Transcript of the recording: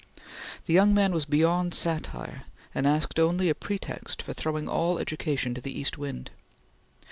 The young man was beyond satire, and asked only a pretext for throwing all education to the east wind.